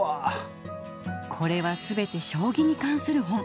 これは全て将棋に関する本。